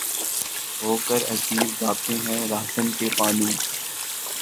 ہو کر اسیر‘ دابتے ہیں‘ راہزن کے پانو